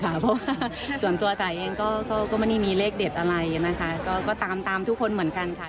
เพราะว่าส่วนตัวจ๋าเองก็ไม่ได้มีเลขเด็ดอะไรนะคะก็ตามทุกคนเหมือนกันค่ะ